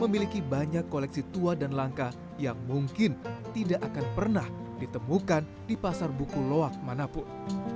memiliki banyak koleksi tua dan langka yang mungkin tidak akan pernah ditemukan di pasar buku loak manapun